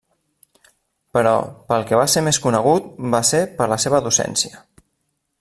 Però pel que va ser més conegut va ser per la seva docència.